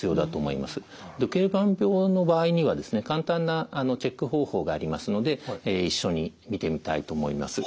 ドケルバン病の場合には簡単なチェック方法がありますので一緒に見てみたいと思います。